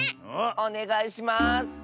おねがいします！